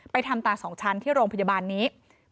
ไปทำตาสองชั้นที่โรงพยาบาลนี้๑๕๐๐๐